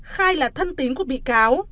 khai là thân tính của bị cáo